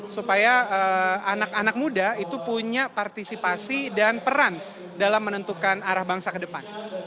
supaya anak anak muda itu punya partisipasi dan peran dalam menentukan arah bangsa ke depan